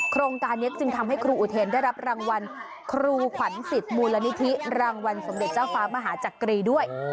โครงการนี้จึงทำให้ครูอุเทนได้รับรางวัลครูขวัญสิทธิ์มูลนิธิรางวัลสมเด็จเจ้าฟ้ามหาจักรีด้วย